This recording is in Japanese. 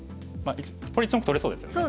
これ１目取れそうですよね。